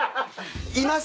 いますか？